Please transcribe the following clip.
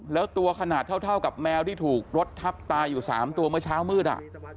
แล้วตัวขนาดเท่ากับแมวที่ถูกรถทับตายอยู่๓ตัวเมื่อเช้ามืด